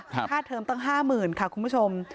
ค่าเทอมตั้ง๕๐๐๐ค่ะคุณผู้ชม